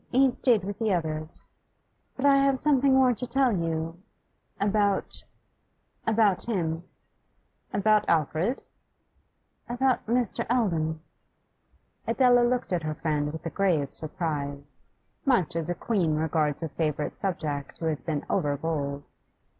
He stayed with the others. But I have something more to tell you, about about him.' 'About Alfred?' 'About Mr. Eldon.' Adela looked at her friend with a grave surprise, much as a queen regards a favourite subject who has been over bold.